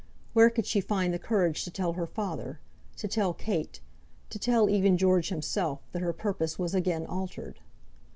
Where could she find the courage to tell her father, to tell Kate, to tell even George himself, that her purpose was again altered?